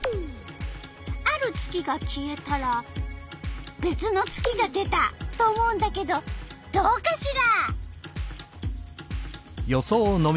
ある月が消えたらべつの月が出た！と思うんだけどどうかしら？